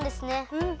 うん！